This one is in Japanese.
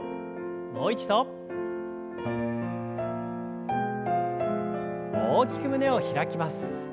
もう一度。大きく胸を開きます。